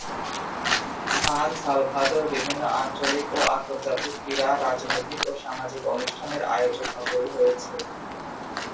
সান Salvador বিভিন্ন আঞ্চলিক ও আন্তর্জাতিক ক্রীড়া, রাজনৈতিক ও সামাজিক অনুষ্ঠানের আয়োজক নগরী হয়েছে।